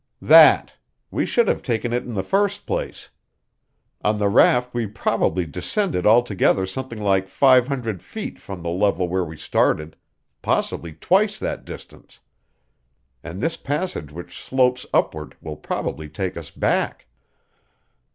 "That! We should have taken it in the first place. On the raft we probably descended altogether something like five hundred feet from the level where we started possibly twice that distance. And this passage which slopes upward will probably take us back."